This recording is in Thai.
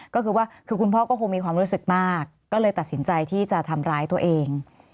ก็คือว่าคือคุณพ่อก็คงมีความรู้สึกมากก็เลยตัดสินใจที่จะทำร้ายตัวเอง